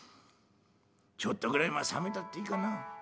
ちょっとぐらいは冷めたっていいかな。